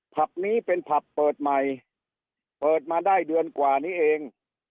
ผับนี้เป็นผับเปิดใหม่เปิดมาได้เดือนกว่านี้เอง